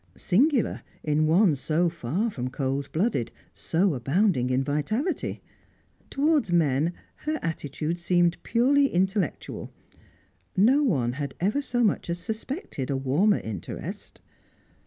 Singular in one so far from cold blooded, so abounding in vitality. Towards men, her attitude seemed purely intellectual; no one had ever so much as suspected a warmer interest.